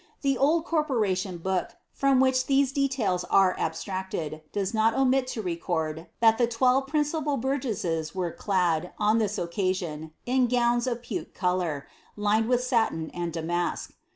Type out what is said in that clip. The old Corpom fii Book, from which these details are abstracted, does not ouiit to iieonl that the twelve principal burgesses were clad, on this occasion, h gowne of puke colour, lined with satin and damask.